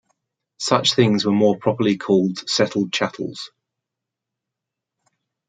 Such things were more properly called settled chattels.